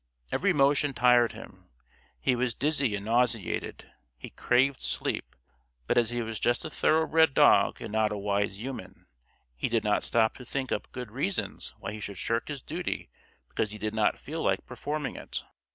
Every motion tired him. He was dizzy and nauseated. He craved sleep; but as he was just a thoroughbred dog and not a wise human, he did not stop to think up good reasons why he should shirk his duty because he did not feel like performing it.